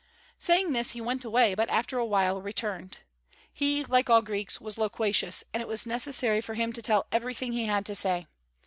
Saying this he went away, but after a while returned. He, like all Greeks, was loquacious, and it was necessary for him to tell everything he had to say.